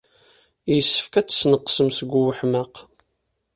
Yessefk ad tesneqsem seg weḥmaq.